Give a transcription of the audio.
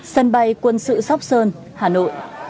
sân bay quân sự sóc sơn hà nội